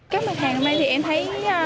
các mẫu hàng hôm nay em thấy